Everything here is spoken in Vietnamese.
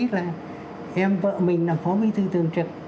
là em vợ mình là phó bí thư thường trực